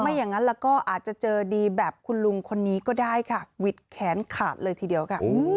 อย่างนั้นแล้วก็อาจจะเจอดีแบบคุณลุงคนนี้ก็ได้ค่ะหวิดแขนขาดเลยทีเดียวค่ะ